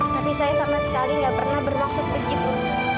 tapi saya sama sekali nggak pernah bermaksud begitu